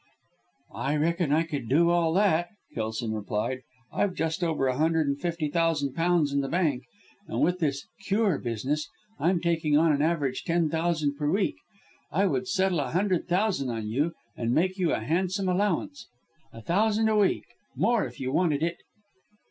"I reckon I could do all that," Kelson replied. "I've just over a hundred and fifty thousand pounds in the bank, and with this 'cure' business, I'm taking on an average ten thousand per week. I would settle a hundred thousand on you, and make you a handsome allowance a thousand a week more if you wanted it."